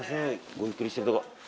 ごゆっくりしてるとこ。